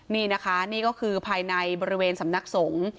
นี่นะคะนี่ก็คือภายในบริเวณสำนักสงฆ์